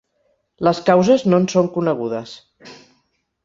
Les causes no en són conegudes.